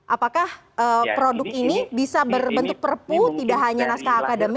apakah produk ini bisa berbentuk perpu tidak hanya naskah akademi